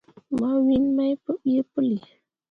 Mawin main pǝbeʼ pǝlli.